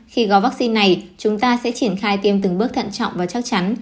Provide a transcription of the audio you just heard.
khi gói vaccine này chúng ta sẽ triển khai tiêm từng bước thận trọng và chắc chắn